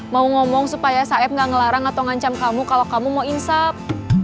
mau ngomong supaya saeb tidak melarang atau mengancam kamu kalau kamu mau insap